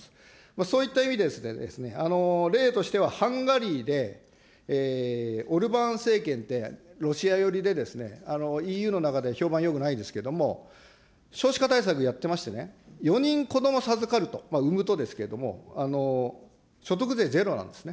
そういった意味で、例としてはハンガリーで、オルバーン政権って、ロシア寄りで、ＥＵの中では評判よくないんですけれども、少子化対策やってましてね、４人子ども授かると、産むとですけれども、所得税ゼロなんですね。